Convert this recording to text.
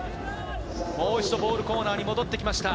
もう一度ボウルコーナーに戻ってきました。